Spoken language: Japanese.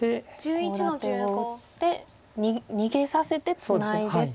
コウ立てを打って逃げさせてツナいでと。